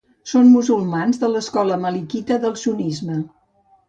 Són musulmans de l'escola malikita del sunnisme.